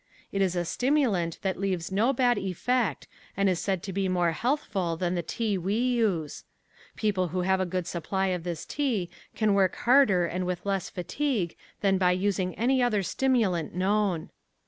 It is a stimulant that leaves no bad effect and is said to be more healthful than the tea we use. People who have a good supply of this tea can work harder and with less fatigue than by using any other stimulant known.